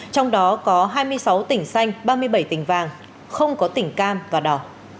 trong đó có hai mươi sáu tỉnh xanh ba mươi bảy tỉnh vàng không có tỉnh cam và đỏ